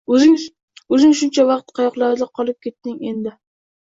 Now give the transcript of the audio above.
O`zing shuncha vaqt qayoqlarda qolib ketding, Endi